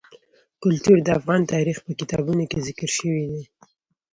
کلتور د افغان تاریخ په کتابونو کې ذکر شوی دي.